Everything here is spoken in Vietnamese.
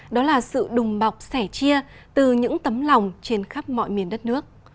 đó là sự đùng bọc sẻ chia từ những tấm lòng trên khắp mọi miền đất nước